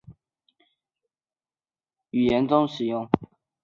该说法现在还在许多欧洲语言中使用。